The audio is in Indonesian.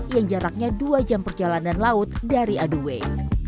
yang jaraknya dua jam perjalanan laut dari aduway